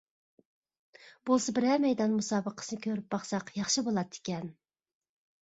بولسا بىرەر مەيدان مۇسابىقىسىنى كۆرۈپ باقساق ياخشى بولاتتىكەن!